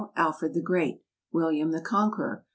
Alfred the Great. William the Conqueror.